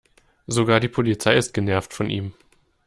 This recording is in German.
Sogar die Polizei ist genervt von ihm.